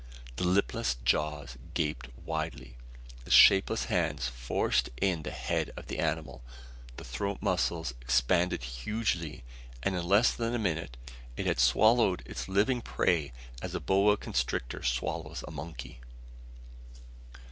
The lipless jaws gaped widely. The shapeless hands forced in the head of the animal. The throat muscles expanded hugely: and in less than a minute it had swallowed its living prey as a boa constrictor swallows a monkey.